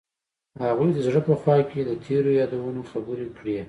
هغوی د زړه په خوا کې تیرو یادونو خبرې کړې.